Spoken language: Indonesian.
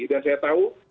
dan saya tahu